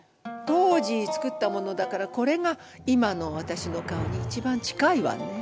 当時つくったものだからこれが今の私の顔に一番近いわね。